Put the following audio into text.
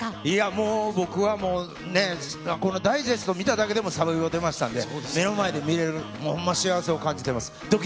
もう、僕はもうね、このダイジェスト見ただけでもさぶいぼ出ましたんで、目の前で見れるって、ほんま幸せを感じています。